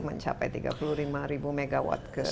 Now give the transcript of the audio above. mencapai tiga puluh lima ribu megawatt